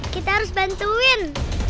kita harus bantuin